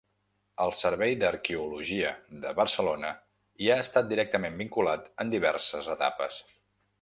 El Servei d'Arqueologia de Barcelona hi ha estat directament vinculat en diverses etapes.